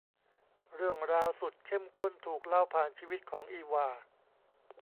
เรื่องราวสุดเข้มข้นถูกเล่าผ่านชีวิตของ อีวา